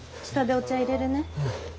下でお茶いれるね。